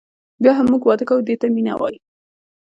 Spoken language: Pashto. بیا هم موږ واده کوو دې ته مینه وایي.